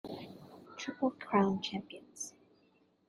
Triple Crown champions.